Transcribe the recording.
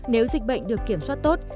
nếu dịch bệnh được kiểm soát tốt